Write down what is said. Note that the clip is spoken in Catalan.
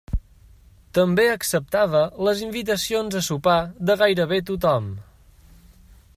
També acceptava les invitacions a sopar de gairebé tothom.